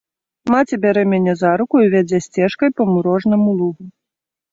Маці бярэ мяне за руку і вядзе сцежкай па мурожнаму лугу.